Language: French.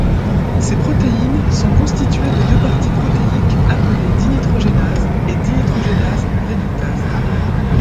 Ces protéines sont constituées de deux parties protéiques appelée dinitrogénase et dinitrogénase réductase.